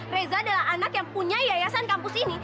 reza adalah anak yang punya yayasan kampus ini